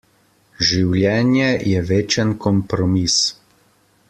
Življenje je večen kompromis.